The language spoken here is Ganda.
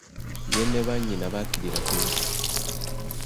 Ye ne bannyina bakkirira ku luzzi .